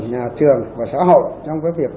nhà trường và xã hội trong cái việc